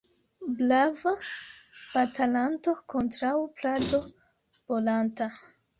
Brava batalanto kontraŭ plado bolanta.